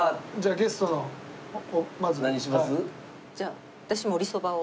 じゃあ私もりそばを。